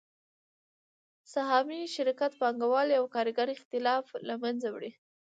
سهامي شرکت د پانګوال او کارګر اختلاف له منځه وړي